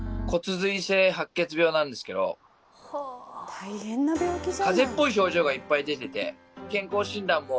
大変な病気じゃん。